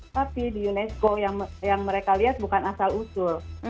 tapi di unesco yang mereka lihat bukan asal usul